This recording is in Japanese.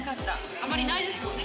あまりないですよね。